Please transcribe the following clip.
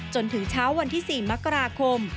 จนถึงเช้าวันที่๔มกราคม